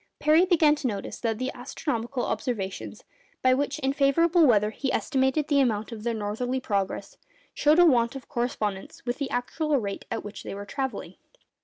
Parry began to notice that the astronomical observations, by which in favourable weather he estimated the amount of their northerly progress, showed a want of correspondence with the actual rate at which they were travelling.